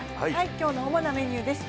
今日の主なメニューです。